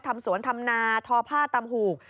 ทำสวนทำนาทอผ้าตำหูก